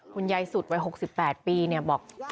คุณยายสุดวัย๖๘ปีบอก